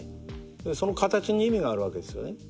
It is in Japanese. その形に意味があるわけですよね。